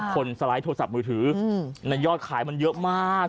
สไลด์โทรศัพท์มือถือในยอดขายมันเยอะมาก